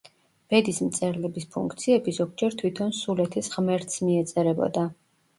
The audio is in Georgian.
ბედის მწერლების ფუნქციები ზოგჯერ თვითონ სულეთის ღმერთს მიეწერებოდა.